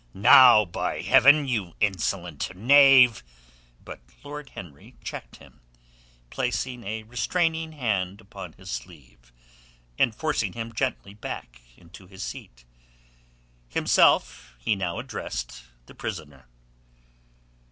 "Now, by Heaven, you insolent knave...." But Lord Henry checked him, placing a restraining hand upon his sleeve, and forcing him gently back into his seat. Himself he now addressed the prisoner.